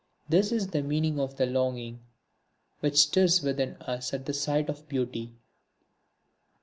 This is the meaning of the longing which stirs within us at the sight of Beauty.